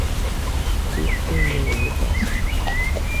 Tute neeblas.